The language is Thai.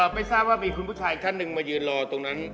ไม่ทราบว่ามีคุณผู้ชายอีกท่านหนึ่งมายืนรอตรงนั้น